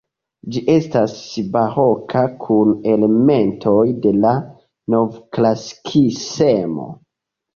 Ĝi estas baroka kun elementoj de la novklasikismo.